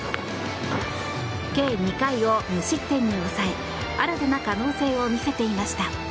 計２回を無失点に抑え新たな可能性を見せていました。